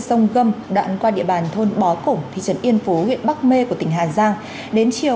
sông gâm đoạn qua địa bàn thôn bó cùng thị trấn yên phú huyện bắc mê của tỉnh hà giang đến chiều